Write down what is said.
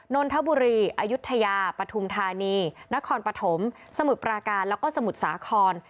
นนทบุรีอายุทยาปฐุมธานีนครปฐมสมุทรปราการแล้วก็สมุทรสาคร